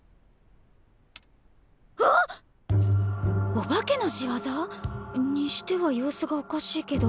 お化けのしわざ？にしては様子がおかしいけど。